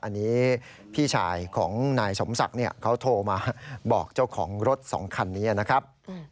อันนี้พี่ชายของนายสมศักดิ์เขาโทรมาบอกเจ้าของรถสองคันนี้นะครับ